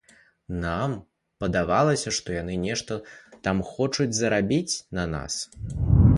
Нам падавалася, што яны нешта там хочуць зарабіць на нас.